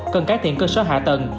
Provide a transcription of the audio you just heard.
cần cải thiện cơ sở hạ tầng